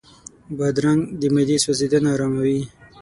بادرنګ د معدې سوځېدنه آراموي.